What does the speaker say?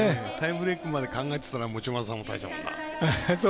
タイブレークまで考えてたら持丸さんも大したもんだ。